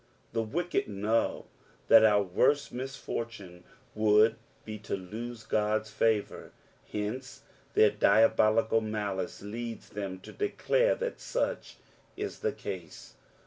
The wicked know that onr worst misfortune would be to lose God's favour, hence their diabolical malice leads them to declare that such is the case.